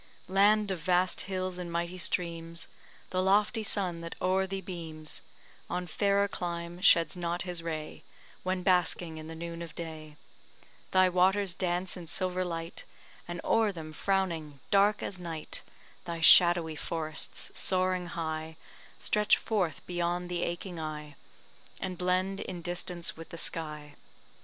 Land of vast hills and mighty streams, The lofty sun that o'er thee beams On fairer clime sheds not his ray, When basking in the noon of day Thy waters dance in silver light, And o'er them frowning, dark as night, Thy shadowy forests, soaring high, Stretch forth beyond the aching eye, And blend in distance with the sky.